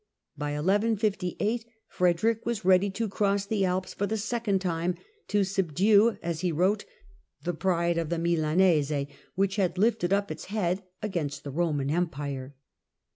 By 1158 Frederick was ready to cross the Alps for the second time, to subdue, as he wrote, " the pride of the Milanese, which had lifted up its head against the Roman Empire."